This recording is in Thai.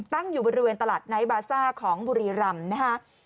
ตั้งอยู่บริเวณตลาดไนท์บาซ่าของบุรีรำนะคะ